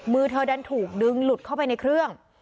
มือเธอดันถูกดึงหลุดเข้าไปในเครื่อง